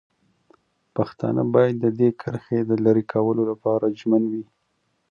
پښتانه باید د دې کرښې د لرې کولو لپاره ژمن وي.